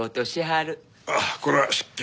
ああこれは失敬。